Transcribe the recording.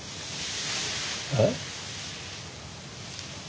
えっ？